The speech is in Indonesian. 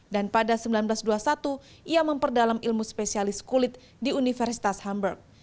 dan pada seribu sembilan ratus dua puluh satu ia memperdalam ilmu spesialis kulit di universitas hamburg